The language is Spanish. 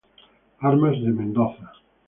Armas de Mendoza